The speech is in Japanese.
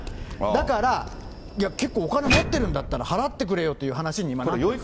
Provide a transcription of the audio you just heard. だから、いや、結構お金持ってるんだったら、払ってくれよという話に今、なってる。